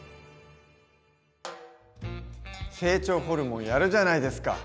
成長ホルモンやるじゃないですか！